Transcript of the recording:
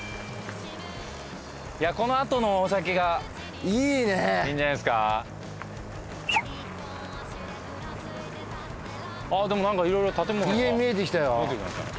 このあとのお酒がいいねいいんじゃないですかでも何か色々建物が見えてきましたね